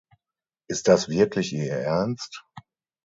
Ist das wirklich ihr Ernst?